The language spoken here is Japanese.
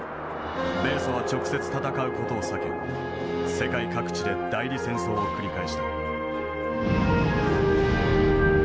米ソは直接戦う事を避け世界各地で代理戦争を繰り返した。